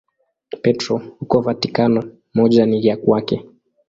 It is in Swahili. Petro huko Vatikano, moja ni ya kwake.